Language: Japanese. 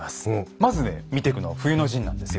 まずね見てくのは冬の陣なんですよ。